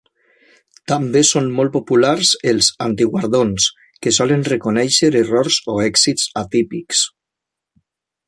També són molt populars els "antiguardons", que solen reconèixer errors o èxits atípics.